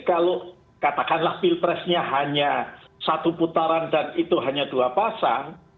kalau katakanlah pilpresnya hanya satu putaran dan itu hanya dua pasang